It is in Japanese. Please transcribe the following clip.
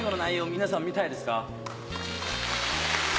皆さん見たいですか？